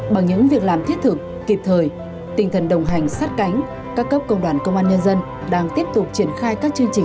bằng những việc làm thiết thực kịp thời tinh thần đồng hành sát cánh các cấp công đoàn công an nhân dân đang tiếp tục triển khai các chương trình